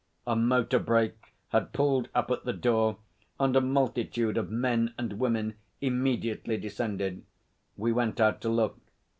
A motor brake had pulled up at the door and a multitude of men and women immediately descended. We went out to look.